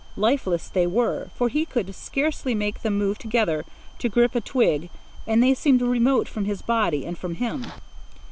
Lifeless they were, for he could scarcely make them move together to grip a twig, and they seemed remote from his body and from him.